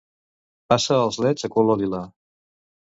Passa els leds a color lila.